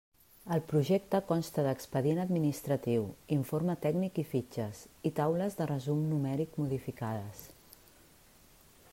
El projecte consta d'expedient administratiu, informe tècnic i fitxes i taules de resum numèric modificades.